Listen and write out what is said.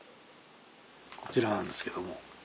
こちらなんですけども。